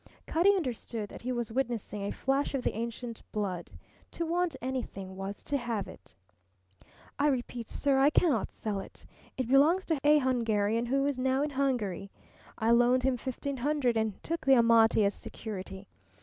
Cutty understood that he was witnessing a flash of the ancient blood. To want anything was to have it. "I repeat, sir, I cannot sell it. It belongs to a Hungarian who is now in Hungary. I loaned him fifteen hundred and took the Amati as security.